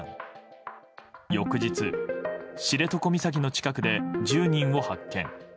翌日、知床岬の近くで１０人を発見。